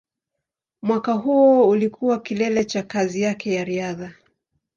Mwaka huo ulikuwa kilele cha kazi yake ya riadha.